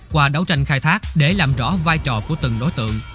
qua đấu tranh khai thác để làm rõ vai trò của từng đối tượng